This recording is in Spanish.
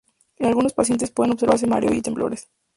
En algunos pacientes pueden observarse mareo y temblores.